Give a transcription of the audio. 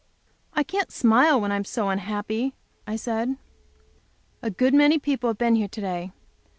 "I can't smile when I am so unhappy," I said. A good many people have been here to day.